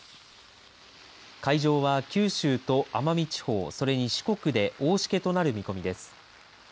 海上は九州と奄美地方、それに四国で大しけとなる見込みです。